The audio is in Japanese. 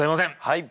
はい。